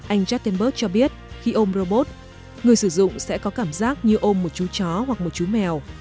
anh jaktenberg cho biết khi ôm robot người sử dụng sẽ có cảm giác như ôm một chú chó hoặc một chú mèo